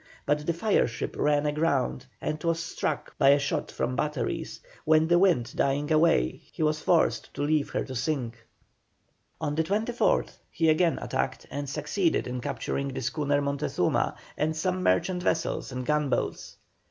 But the fire ship ran aground and was struck by a shot from the batteries, when the wind dying away he was forced to leave her to sink. On the 24th he again attacked, and succeeded in capturing the schooner Montezuma and some merchant vessels and gunboats.